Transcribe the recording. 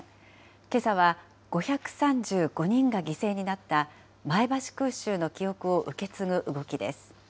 けさは、５３５人が犠牲になった前橋空襲の記憶を受け継ぐ動きです。